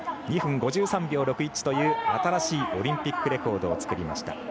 ２分５３秒６１という新しいオリンピックレコードを作りました。